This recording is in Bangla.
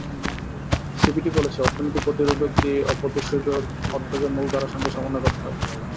সিপিডি বলেছে, অর্থনৈতিক প্রতিষেধক দিয়েই অপ্রদর্শিত অর্থকে মূলধারার সঙ্গে সমন্বয় করতে হবে।